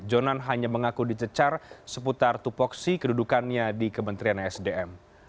jonan hanya mengaku dicecar seputar tupoksi kedudukannya di kementerian sdm